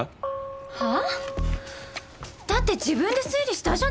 だって自分で推理したじゃない！